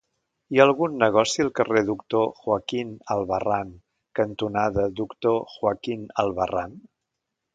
Hi ha algun negoci al carrer Doctor Joaquín Albarrán cantonada Doctor Joaquín Albarrán?